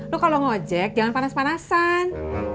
lu kalau ngojek jangan panas panasan